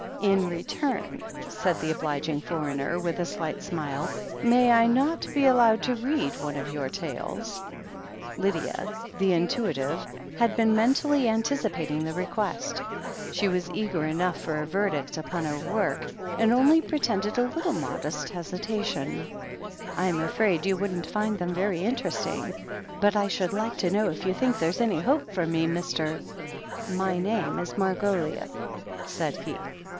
"In return," said the obliging foreigner, with a slight smile, "may I not be allowed to read one of your tales?" Lydia, the intuitive, had been mentally anticipating the request. She was eager enough for a verdict upon her work, and only pretended a little modest hesita tion. M 154 THE HEEL OF ACHILLES "I am afraid you wouldn't find them very interest ing — ^but I should like to know if you think there's any hope for me, Mr. " "My name is Margoliouth," said he.